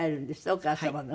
お母様の。